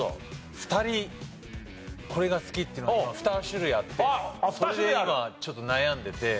２人これが好きっていうのが２種類あってそれで今ちょっと悩んでて。